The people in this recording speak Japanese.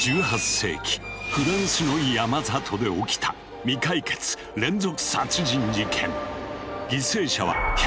１８世紀フランスの山里で起きた未解決連続殺人事件。